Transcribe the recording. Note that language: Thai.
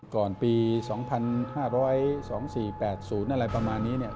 ก่อนปี๒๕๔๘ศูนย์อะไรประมาณนี้